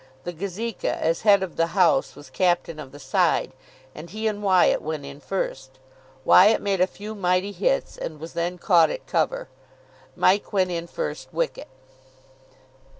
The Gazeka, as head of the house, was captain of the side, and he and Wyatt went in first. Wyatt made a few mighty hits, and was then caught at cover. Mike went in first wicket.